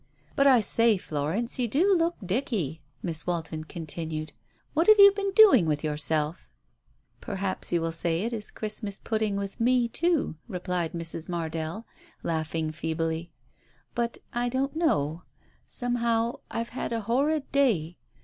"But, I say, Florence, you do look dicky," Miss Walton continued. "What have you been doing with yourself ?" "Perhaps you'll say it is Christmas pudding with Digitized by Google THE OPERATION 59 me too," replied Mrs. Mardell, laughing feebly. "But I don't know — somehow, I've had a horrid day.